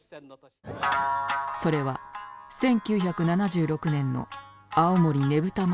それは１９７６年の青森ねぶた祭。